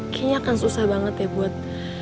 kayaknya akan susah banget ya buat